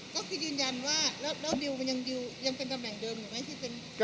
ก็คือยืนยันว่าแล้วดิวมันยังเป็นตำแหน่งเดิมอยู่ไหมที่เป็น